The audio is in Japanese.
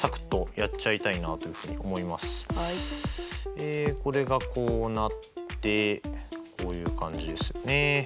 えこれがこうなってこういう感じですよね。